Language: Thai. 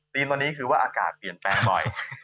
ตอนนี้คือว่าอากาศเปลี่ยนแปลงบ่อย